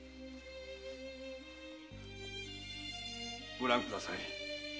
ご覧ください。